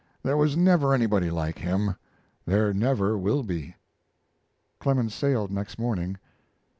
There was never anybody like him; there never will be." Clemens sailed next morning.